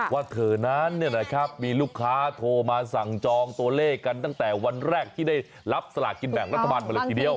ว่าเธอนั้นมีลูกค้าโทรมาสั่งจองตัวเลขกันตั้งแต่วันแรกที่ได้รับสลากกินแบ่งรัฐบาลมาเลยทีเดียว